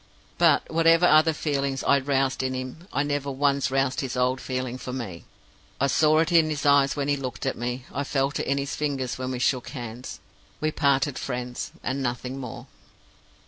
But, whatever other feelings I roused in him, I never once roused his old feeling for me. I saw it in his eyes when he looked at me; I felt it in his fingers when we shook hands. We parted friends, and nothing more.